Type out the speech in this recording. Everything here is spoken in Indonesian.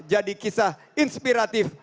jadi kisah inspiratif